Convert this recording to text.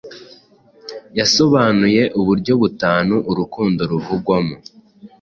yasobanuye uburyo butanu urukundo ruvugwamo